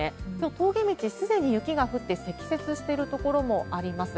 峠道、すでに雪が降って積雪してる所もあります。